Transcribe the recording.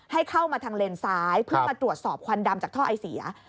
ให้เข้ามาทางเลนซ้ายเพื่อมาตรวจสอบควันดำจากท่อไอเสีย